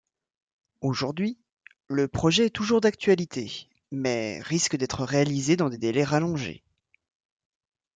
Aujourd'hui, le projet est toujours d'actualité, mais risque d'être réalisé dans des délais rallongés.